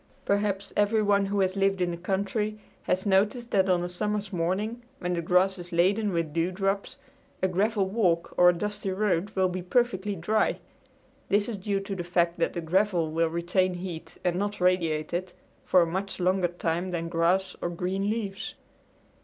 Perhaps everyone who has lived in the country has noticed that on a summer's morning when the grass is laden with dewdrops a gravel walk or a dusty road will be perfectly dry. This is due to the fact that the gravel will retain heat and not radiate it, for a much longer time than grass or green leaves.